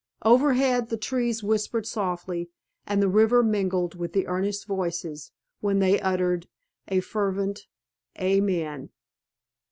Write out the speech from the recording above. Overhead the trees whispered softly, and the river mingled with the earnest voices when they uttered a fervent "Amen."